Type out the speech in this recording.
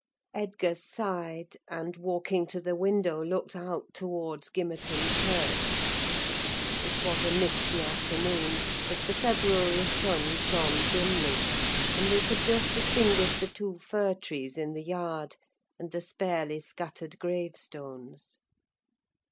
'" Edgar sighed; and, walking to the window, looked out towards Gimmerton Kirk. It was a misty afternoon, but the February sun shone dimly, and we could just distinguish the two fir trees in the yard, and the sparely scattered gravestones.